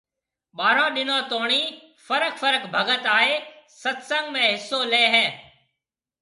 ٻارهون ڏنون توڻِي فرق فرق ڀگت آئيَ ست سنگ ۾ حصو ليَ هيَ